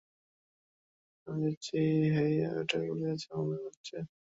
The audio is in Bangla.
আমি যাচ্ছি হেই, হেই আমার পেটে গুলি আছে, মনে আছে?